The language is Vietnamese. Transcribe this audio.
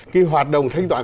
cái hoạt động thanh toán